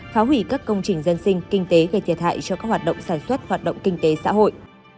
phá hủy các công trình dân sinh kinh tế gây thiệt hại cho các hoạt động sản xuất hoạt động kinh tế xã hội